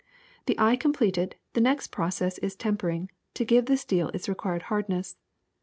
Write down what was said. *^The eye completed, the next process is tempering, to give the steel its required hardness.